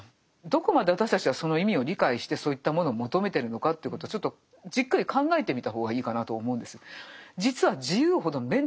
どこまで私たちはその意味を理解してそういったものを求めてるのかということをちょっとじっくり考えてみた方がいいかなと思うんです。